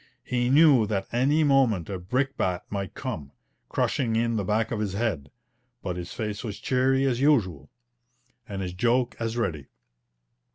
He knew that any moment a brickbat might come, crushing in the back of his head, but his face was cheery as usual, and his joke as ready.